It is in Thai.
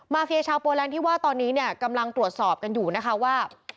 เฟียชาวโปแลนด์ที่ว่าตอนนี้เนี่ยกำลังตรวจสอบกันอยู่นะคะว่า